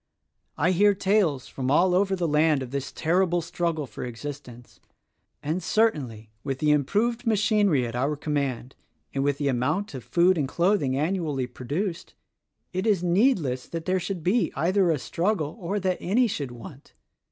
I hear tales from all over the land of this terrible struggle for existence; and certainly, with the improved machinery at our command and with the amount of food and clothing annually produced it is needless that there, should be either a struggle or that any should want.